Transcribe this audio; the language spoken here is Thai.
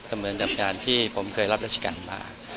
เหมือนกับการที่ผมเคยรับราชการมา